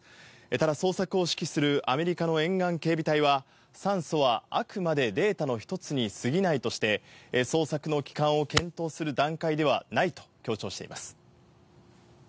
ただ、捜索を指揮するアメリカの沿岸警備隊は、酸素はあくまでデータの１つにすぎないとして、捜索の期間を検討する段階ではないと強調しています。